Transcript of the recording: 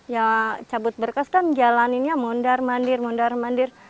ya cabut berkas kan jalaninnya mondar mandir mondar mandir